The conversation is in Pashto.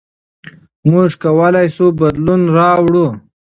موږ کولای شو بدلون راوړو.